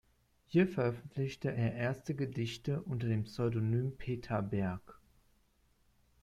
Hier veröffentlichte er erste Gedichte unter dem Pseudonym Peter Berg.